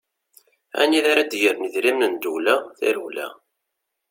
Anida ara d-gren idrimen n ddewla, tarewla!